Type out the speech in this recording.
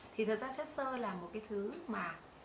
thì thật ra chất sơ là một cái thứ mà